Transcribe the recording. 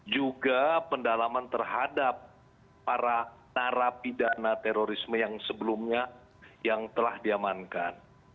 juga pendalaman terhadap para narapidana terorisme yang sebelumnya yang telah diamankan